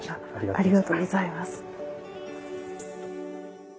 ありがとうございます。